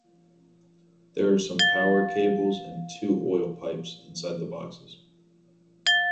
There are some power cables and two oil pipes inside the boxes.